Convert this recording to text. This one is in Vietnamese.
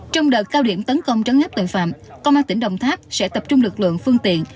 trong đợt cao điểm tấn công trấn áp tội phạm công an tỉnh đồng tháp sẽ tập trung lực lượng phương tiện